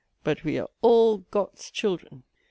But we are all Got's children.